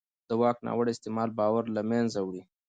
د واک ناوړه استعمال باور له منځه وړي